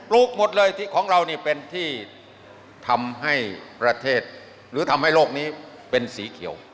ลูกหมดเลยของเรานี่เป็นที่ทำให้ประเทศหรือทำให้โลกนี้เป็นสีเขียว